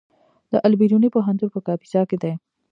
د البیروني پوهنتون په کاپیسا کې دی